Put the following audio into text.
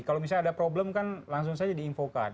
kalau misalnya ada problem kan langsung saja diinfokan